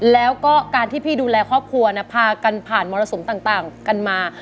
แล้วก็การที่พี่ดูแลครอบครัวพากันผ่านมรสุมต่างกันมา